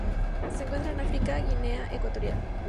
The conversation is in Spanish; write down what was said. Se encuentran en África: Guinea Ecuatorial.